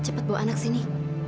pak cepat bawa anak ke sini